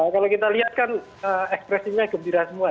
kalau kita lihat kan ekspresinya gembira semua